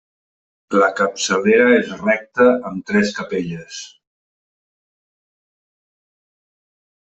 La capçalera és recta amb tres capelles.